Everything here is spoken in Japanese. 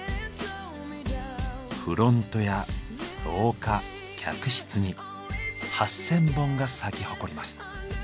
フロントや廊下客室に８０００本が咲き誇ります。